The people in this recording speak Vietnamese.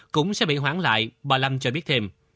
cũng sẽ bị hoãn lại bà lan cho biết thêm